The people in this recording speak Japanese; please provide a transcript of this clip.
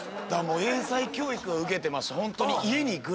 英才教育を受けてましたホントに。